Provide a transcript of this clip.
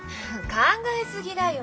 考え過ぎだよ。